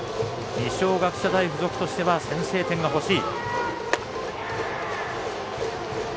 二松学舎大付属としては先制点がほしい。